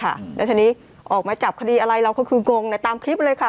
ขณียสที่มาจักรคดีเราเราก็คืองงอยู่ตามคลิปเลยค่ะ